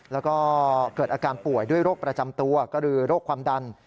แล้วก็เกิดอาการป่วยด้วยโรคประจำตัวก็คือโรคความดัน